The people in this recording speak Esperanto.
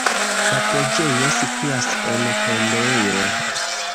La preĝejo situas en tombejo.